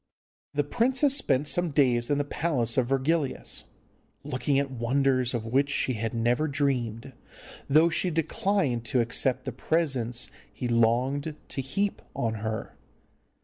The princess spent some days in the palace of Virgilius, looking at wonders of which she had never dreamed, though she declined to accept the presents he longed to heap on her.